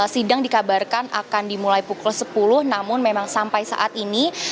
sidang dikabarkan akan dimulai pukul sepuluh namun memang sampai saat ini